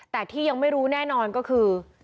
แต่ที่ยังไม่รู้แน่นอนก็คือ